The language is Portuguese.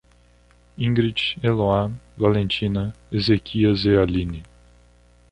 Ingrid, Eloá, Valentina, Ezequias e Aline